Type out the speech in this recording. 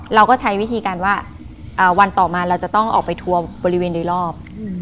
เราก็ใช้วิธีการว่าวันต่อมาเราจะต้องออกไปทัวร์บริเวณโดยรอบ